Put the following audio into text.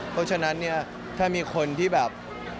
เพราะฉะนั้นเนี่ยถ้ามีคนที่แบบ